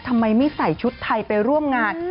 ทำไมไม่ใส่ชุดไทยไปร่วมงาน